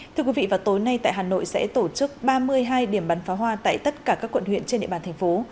thưa quý vị vào tối nay tại hà nội sẽ tổ chức ba mươi hai điểm bắn pháo hoa tại tất cả các quận huyện trên địa bàn thành phố